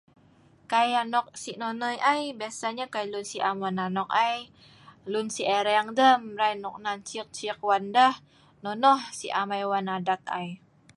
Kai anok si' nonoi ai biasanya kai lun si am wan anok ai, lun si ireng deh mrai noknan cik-cik wan deh, nonoh si amai wan adat ai.